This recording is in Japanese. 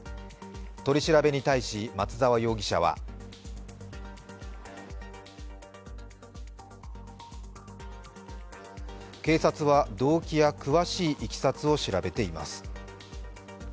取り調べに対し松沢容疑者は警察は、動機や詳しいいきさつを調べています。